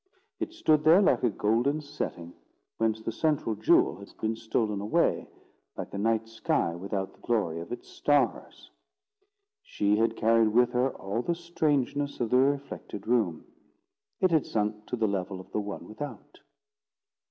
It stood there like a golden setting whence the central jewel has been stolen away—like a night sky without the glory of its stars. She had carried with her all the strangeness of the reflected room. It had sunk to the level of the one without.